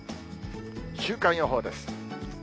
週間予報です。